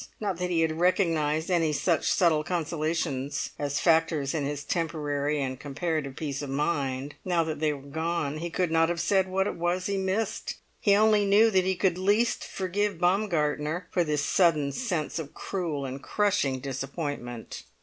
Not that he had recognised any such subtle consolations as factors in his temporary and comparative peace of mind; now that they were gone, he could not have said what it was he missed; he only knew that he could least forgive Baumgartner for this sudden sense of cruel and crushing disappointment.